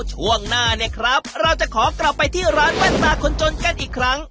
ช่วงหน้าเนี่ยครับเราจะขอกลับไปที่ร้านแว่นตาคนจนกันอีกครั้ง